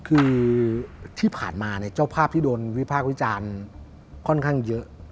คือที่ผ่านมาเนี่ยเจ้าภาพที่โดนวิพากษ์วิจารณ์ค่อนข้างเยอะ